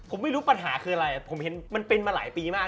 ผมไม่รู้ปัญหาคืออะไรผมเห็นมันเป็นมาหลายปีมาก